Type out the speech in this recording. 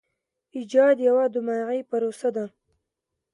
ایجاد یوه دماغي پروسه ده.